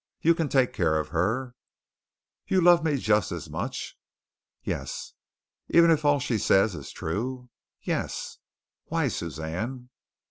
You can take care of her." "You love me just as much?" "Yes." "Even if all she says is true?" "Yes." "Why, Suzanne?"